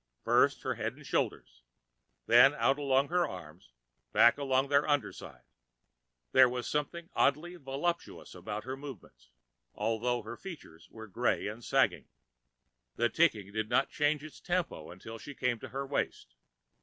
First her head and shoulders, then out along her arms and back along their under side. There was something oddly voluptuous about her movements, although her features were gray and sagging. The ticking did not change its tempo until she came to her waist.